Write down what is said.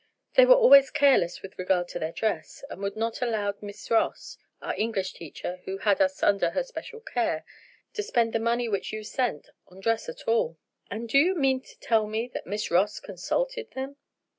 They were always careless with regard to their dress, and would not allow Miss Ross—our English teacher who had us under her special care—to spend the money which you sent on dress at all." "And do you mean to tell me that Miss Ross consulted them?"